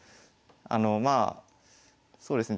まあそうですね